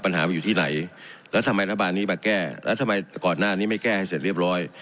ปัญหามันอยู่ที่ไหนแล้วทำไมรัฐบาลนี้มาแก้แล้วทำไมก่อนหน้านี้ไม่แก้ให้เสร็จเรียบร้อย